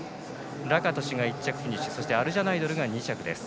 ラカトシュが１着フィニッシュそしてアルジャナイドルが２着。